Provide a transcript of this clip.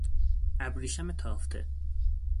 ابریشم تافته